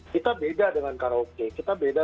kita beda dengan karaoke kita beda